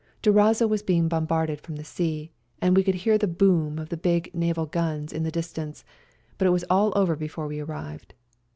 Durazzo was being bombarded from the sea, and we could hear the boom of the big naval guns in the distance, but it was all over before we arrived.